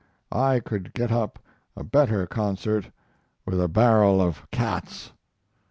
I could get up a better concert with a barrel of cats.